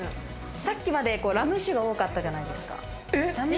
さっきまでラム酒が多かったじゃないですか。